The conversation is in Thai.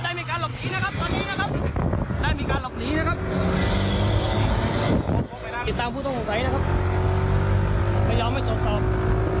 ได้มีการหลบหนีนะครับ